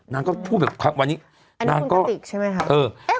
นางก็ทุกวันนี้นางก็อันนี้คุณกะติกใช่มั้ยครับ